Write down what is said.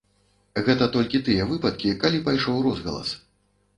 Гэта толькі тыя выпадкі, калі пайшоў розгалас.